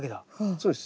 そうです。